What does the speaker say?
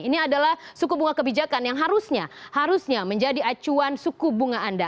ini adalah suku bunga kebijakan yang harusnya harusnya menjadi acuan suku bunga anda